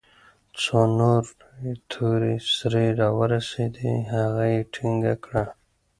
څو نورې تور سرې راورسېدې هغه يې ټينګه كړه.